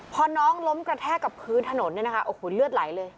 พอน้องล้มกระแทกกับพื้นถนนเนี่ยนะคะโอ้โหเลือดไหลเลย